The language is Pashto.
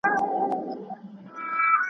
هره ښځه چي حجاب نه لري بې مالګي طعام ده .